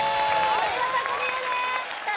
お見事クリアでーすさあ